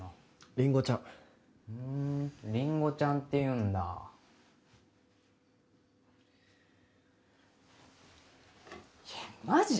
りんごちゃんふんりんごちゃんって言うんだーマジ？